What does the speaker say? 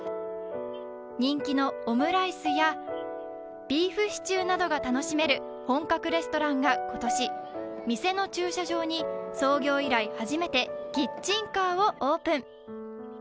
人気のオムライスやビーフシチューなどが楽しめる本格レストランが今年、店の駐車場に創業以来初めてキッチンカーをオープン。